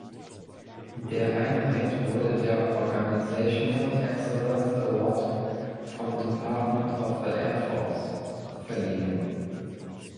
Der Einheit wurde der "Organizational Excellence Award" vom Department of the Air Force verliehen.